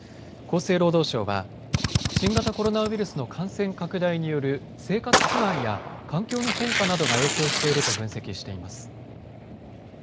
厚生労働省は新型コロナウイルスの感染拡大による生活不安や環境の変化などが影響していると分析しています。